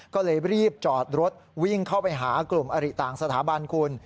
ก็เลยรีบจอดรถวิ่งเข้าไปหากลุ่มอริต่างสถาบันคุณ